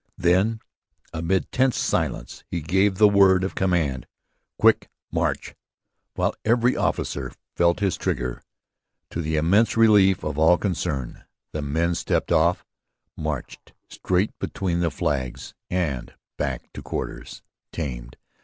Then, amid tense silence, he gave the word of command Quick, March! while every officer felt his trigger. To the immense relief of all concerned the men stepped off, marched straight between the flags and back to quarters, tamed.